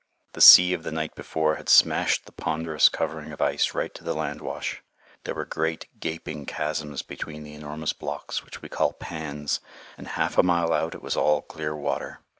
The sea of the night before had smashed the ponderous covering of ice right to the landwash. There were great gaping chasms between the enormous blocks, which we call pans, and half a mile out it was all clear water.